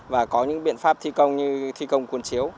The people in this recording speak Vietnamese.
và có những biện pháp thi công như thi công côn chiếu